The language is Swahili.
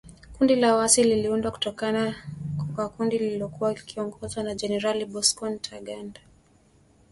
Kundi la waasi liliundwa kutoka kwa kundi lililokuwa likiongozwa na Generali Bosco Ntaganda, la Bunge la Taifa la Ulinzi wa Wananchi.